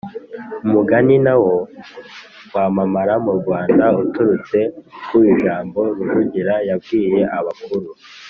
Umugani na wo wamamara mu Rwanda uturutse ku ijambo Rujugira yabwiye abakuru,